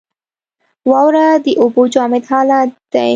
واوره د اوبو جامد حالت دی.